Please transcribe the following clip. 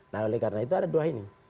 nah oleh karena itu ada dua ini